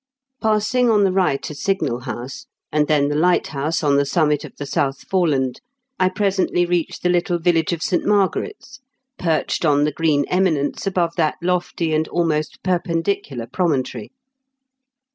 Passing on the right a signal house, and then the light house on the summit of the South Foreland, I presently reached the little village of St. Margaret's, perched on the green eminence above that lofty and almost perpen dicular promontory.